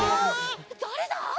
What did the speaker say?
だれだ！？